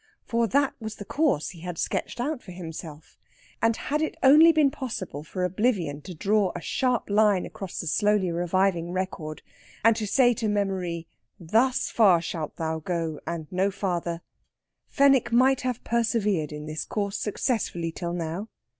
For that was the course he had sketched out for himself; and had it only been possible for oblivion to draw a sharp line across the slowly reviving record, and to say to memory: "Thus far shalt thou go, and no farther," Fenwick might have persevered in this course successfully till now.